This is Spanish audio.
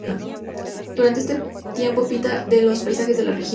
Durante este tiempo pinta los paisajes de la región.